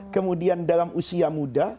kemudian dalam usia muda